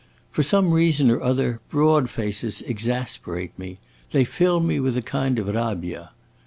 For some reason or other, broad faces exasperate me; they fill me with a kind of rabbia.